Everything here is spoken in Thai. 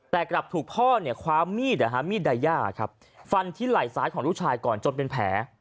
แต่กลับถูกพ่อเนี่ยคว้ามีดมีดไดย่าครับฟันที่ไหล่ซ้ายของลูกชายก่อนจนเป็นแผล